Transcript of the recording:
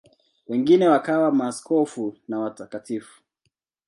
Wengine wakawa maaskofu na watakatifu.